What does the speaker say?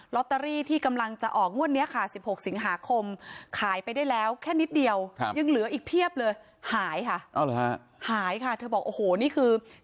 ลอตเตอรี่ที่กำลังจะออกนวดเนี้ยค่ะ๑๖ส